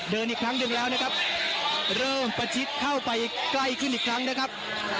เดินอีกครั้งหนึ่งแล้วนะครับเริ่มประชิดเข้าไปใกล้ขึ้นอีกครั้งนะครับ